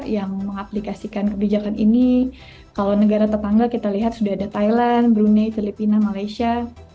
yang mengaplikasikan kebijakan ini kalau negara tetangga kita lihat sudah ada thailand brunei filipina malaysia